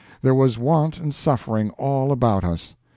There was want and suffering all about us.